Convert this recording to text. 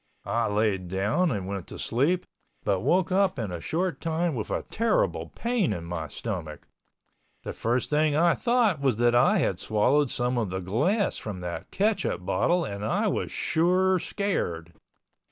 I layed down and went to sleep but woke up in a short time with a terrible pain in my stomach, the first thing I thought was that I had swallowed some of the glass from that ketchup bottle and I was sure scared.